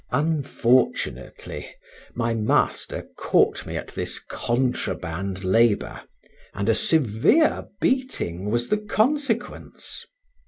Unfortunately, my master caught me at this contraband labor, and a severe beating was the consequence.